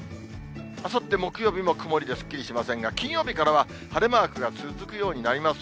あさって木曜日も曇りですっきりしませんが、金曜日からは晴れマークが続くようになります。